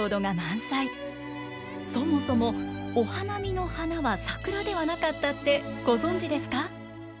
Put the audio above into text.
そもそもお花見の花は桜ではなかったってご存じですか？